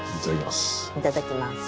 いただきます。